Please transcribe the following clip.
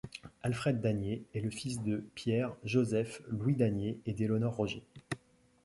Alfred Danhier est le fils de Pierre, Joseph, Louis Danhier et d'Eléonore Roger.